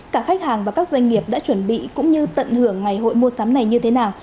cả khách hàng và các doanh nghiệp đã chuẩn bị cũng như tận hưởng ngày hội mua sắm này như thế nào